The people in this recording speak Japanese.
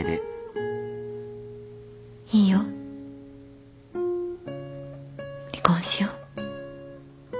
いいよ離婚しよう